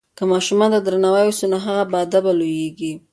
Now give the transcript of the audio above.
که ماشوم ته درناوی وسي نو هغه باادبه لویېږي.